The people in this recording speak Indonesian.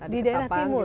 di daerah timur